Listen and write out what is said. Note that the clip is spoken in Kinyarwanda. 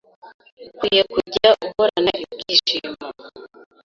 Ukwiye kujya uhorana ibyishimo